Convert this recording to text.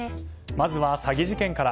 まずは詐欺事件から。